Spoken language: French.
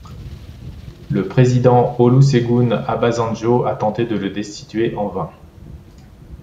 Le président Olusegun Obasanjo a tenté de le destituer en vain.